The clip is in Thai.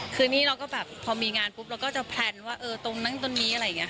คือนี่เราก็แบบพอมีงานปุ๊บเราก็จะแพลนว่าเออตรงนั้นตรงนี้อะไรอย่างนี้ค่ะ